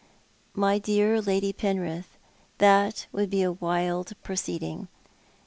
" My dear Lady Penrith, that would be a wild proceeding.